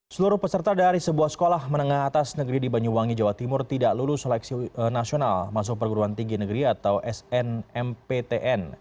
seluruh peserta dari sebuah sekolah menengah atas negeri di banyuwangi jawa timur tidak lulus seleksi nasional masuk perguruan tinggi negeri atau snmptn